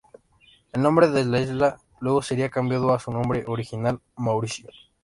El nombre de la isla luego sería cambiado a su nombre original, Mauricio.